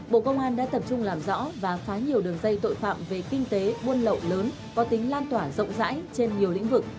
bộ công an đã tập trung làm rõ và phá nhiều đường dây tội phạm về kinh tế buôn lậu lớn có tính lan tỏa rộng rãi trên nhiều lĩnh vực